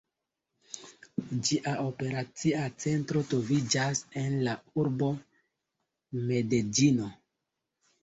Ĝia operacia centro troviĝas en la urbo Medeĝino.